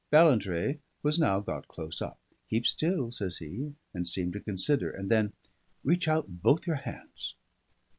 Ballantrae was now got close up. "Keep still," says he, and seemed to consider; and then, "Reach out both your hands!"